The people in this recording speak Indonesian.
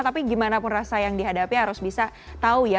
tapi gimana pun rasa yang dihadapi harus bisa tahu ya